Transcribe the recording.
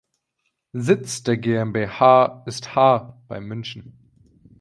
Sitz der GmbH ist Haar bei München.